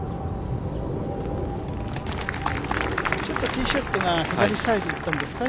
ティーショットが左サイドいったんですか？